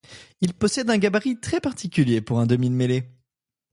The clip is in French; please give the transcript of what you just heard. Il possède un gabarit très particulier pour un demi de mêlée.